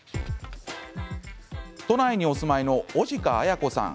都内にお住まいの男鹿綾子さん。